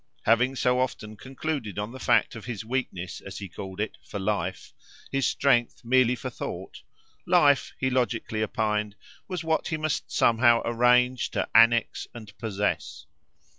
Having so often concluded on the fact of his weakness, as he called it, for life his strength merely for thought life, he logically opined, was what he must somehow arrange to annex and possess.